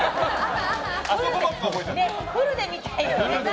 フルで見たいよね。